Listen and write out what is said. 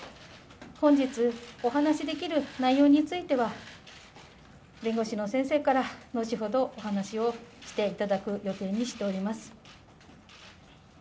本日、お話しできる内容については弁護士の先生から後ほどお話をしていただく予定にしております。